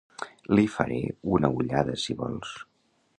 Li faré una ullada si vols.